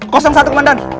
kosong satu komandan